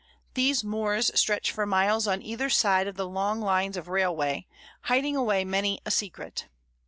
These moors stretch for miles on either side of the long lines of railway, hiding away many a secret.